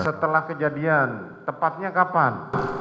setelah kejadian tepatnya kapan